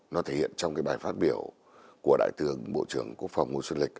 nó thể hiện trong cái bài phát biểu của đại tưởng bộ trưởng quốc phòng nguyễn xuân lịch